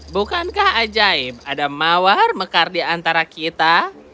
bukankah ajaib ada mawar mekar di antara kita